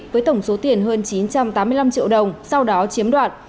với tổng số tiền hơn chín trăm tám mươi năm triệu đồng sau đó chiếm đoạt